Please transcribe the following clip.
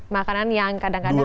makanan yang kadang kadang